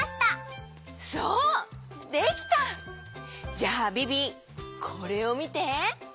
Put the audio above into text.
じゃあビビこれをみて！